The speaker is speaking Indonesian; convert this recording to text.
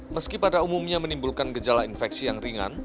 meski pada umumnya menimbulkan gejala infeksi yang ringan